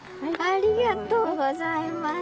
ありがとうございます。